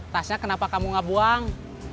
tasnya kenapa kamu gak buang